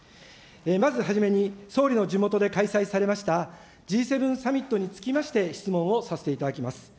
まずはじめに、総理の地元で開催されましたＧ７サミットにつきまして、質問をさせていただきます。